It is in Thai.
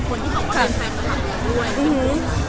อุหู